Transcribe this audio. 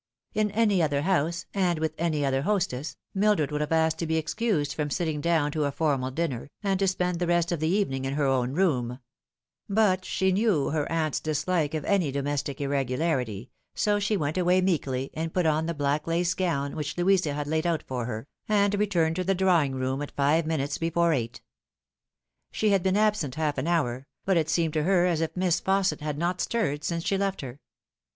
In any other house, and with any other hostess, Mildred would have asked to be excused from sitting down to a formal dinner, and to spend the rest of the evening in her own room ; but she knew her aunt's dislike of any domestic irregularity, so she went away meekly, and put on the black lace gown which Louisa had laid out for her, and returned to the drawing room at five minutes before eight. She had been absent nalf an hour, but it seemed to her as if Miss Fausset had not stirred since she left her.